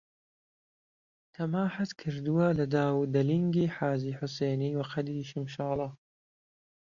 تهماحت کردووه له داو و دهلینگیحاجی حوسێنی و قەدی شمشاڵه